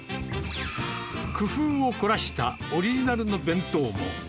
工夫を凝らしたオリジナルの弁当も。